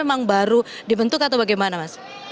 memang baru dibentuk atau bagaimana mas